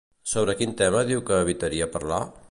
Sobre quin tema diu que evitaria parlar?